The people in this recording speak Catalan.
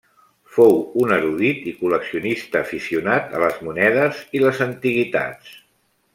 Fou un erudit i col·leccionista aficionat a les monedes i les antiguitats.